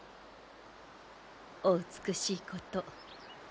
お美しいこと。